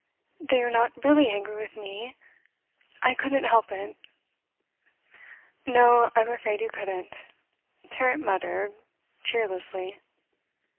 'Then you're not really angry with me? I couldn't help it.' 'No, I'm afraid you couldn't,' Tarrant muttered cheerlessly.